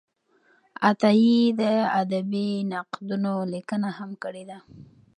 عطایي د ادبي نقدونو لیکنه هم کړې ده.